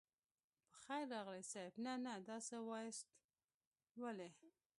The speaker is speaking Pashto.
په خير راغلئ صيب نه نه دا څه واياست ولې.